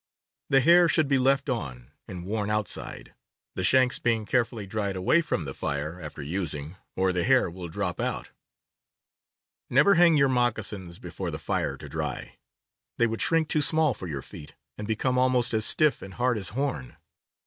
The hair should be left on and worn outside, the shanks being carefully dried away from the fire, after using, or the hair will drop out. 20 CAMPING AND WOODCRAFT Never hang your moccasins before the fire to dry; they would shrink too small for your feet, and become almost as stiff and hard as horn.